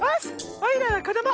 おいらはこども！